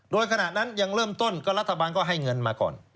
โดยขณะนั้นยังเริ่มต้นก็รัฐบาลก็ให้เงินมาก่อน